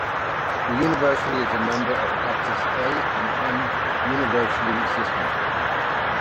The University is a member of the Texas A and M University System.